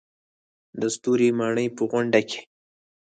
د ستوري ماڼۍ په غونډه کې.